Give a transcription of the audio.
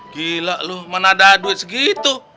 gila lu mana ada duit segitu